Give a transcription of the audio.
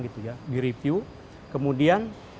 gitu ya di review kemudian